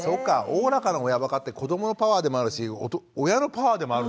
おおらかな親ばかって子どものパワーでもあるし親のパワーでもあるんだね。